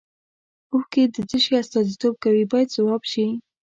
اوښکې د څه شي استازیتوب کوي باید ځواب شي.